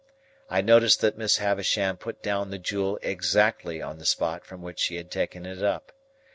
I noticed that Miss Havisham put down the jewel exactly on the spot from which she had taken it up.